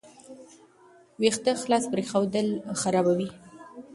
ویښتې خلاص پریښودل خرابوي.